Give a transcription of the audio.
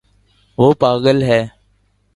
وہ پاگل ہے